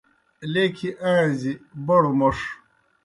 لیکھیْ آݩزیْ بڑوْ موْݜ